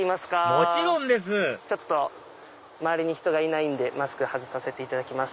もちろんです周りに人がいないんでマスク外させていただきます。